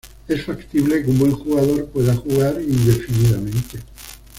Es factible que un buen jugador pueda jugar indefinidamente.